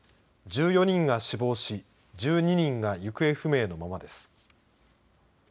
１４人が死亡し１２人が行方不明のままです。